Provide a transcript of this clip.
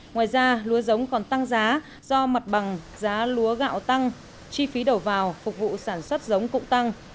ngoài ra lúa giống còn tăng giá do mặt bằng giá lúa gạo tăng chi phí đầu vào phục vụ sản xuất giống cũng tăng